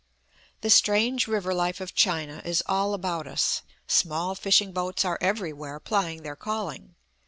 The strange river life of China is all about us; small fishing boats are everywhere plying their calling.